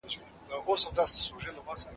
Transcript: ناسا د خطر کمولو لارې زده کوي.